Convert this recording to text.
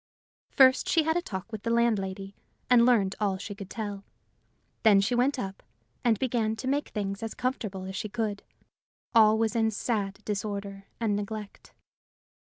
First she had a talk with the landlady, and learned all she could tell. Then she went up, and began to make things as comfortable as she could: all was in sad disorder and neglect.